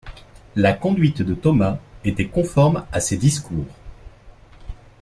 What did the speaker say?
La conduite de Thomas était conforme à ses discours.